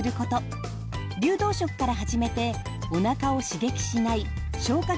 流動食から始めておなかを刺激しない消化